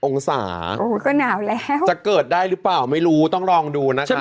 ๑๗องศาจะเกิดได้หรือเปล่าไม่รู้ต้องลองดูนะค่ะโอ้ยก็หนาวแล้ว